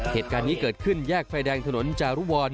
เหตุการณ์นี้เกิดขึ้นแยกไฟแดงถนนจารุวร